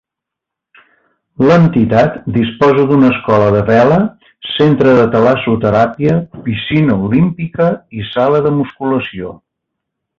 L'entitat disposa d’una escola de vela, centre de talassoteràpia, piscina olímpica i sala de musculació.